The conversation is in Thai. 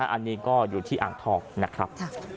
อันนี้ก็อยู่ที่อ่างทองนะครับ